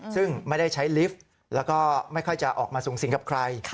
ซึ่งไม่ได้ใช้ลิฟต์แล้วก็ไม่ค่อยจะออกมาสูงสิงกับใคร